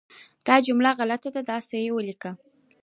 دا جمله غلطه ده، داسې یې ولیکه